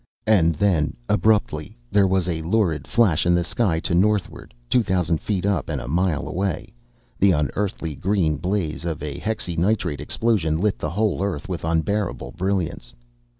And then, abruptly, there was a lurid flash in the sky to northward. Two thousand feet up and a mile away, the unearthly green blaze of a hexynitrate explosion lit the whole earth with unbearable brilliance.